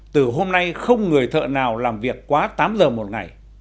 từ hôm nay không người thợ nào làm việc quá tám giờ một ngày